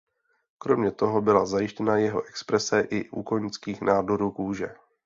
Kromě toho byla zjištěna jeho exprese i u koňských nádorů kůže.